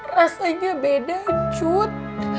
rasanya beda cut